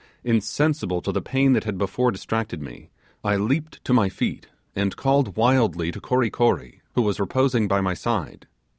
Insensible to the pain that had before distracted me, I leaped to my feet, and called wildly to Kory Kory who was reposing by my side.